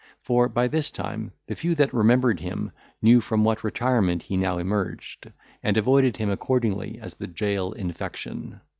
For, by this time, the few that remembered him knew from what retirement he now emerged, and avoided him accordingly as the jail infection.